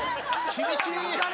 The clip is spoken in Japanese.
厳しい！